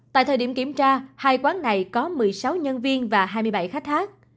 tại thời điểm kiểm tra hai quán này có một mươi sáu nhân viên và hai mươi bảy khách khác